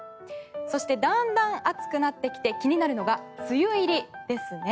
そしてだんだん暑くなってきて気になるのが梅雨入りですね。